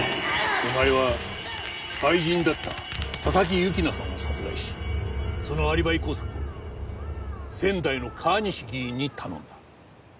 お前は愛人だった佐々木由紀奈さんを殺害しそのアリバイ工作を仙台の川西議員に頼んだ。